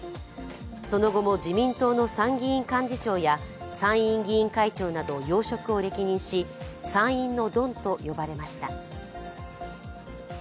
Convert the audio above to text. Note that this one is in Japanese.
その後も自民党の参議院幹事長や参院議員会長などを歴任し参院のドンと呼ばれました。